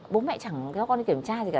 bố mẹ chẳng theo con đi kiểm tra gì cả